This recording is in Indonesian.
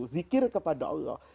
zikir kepada allah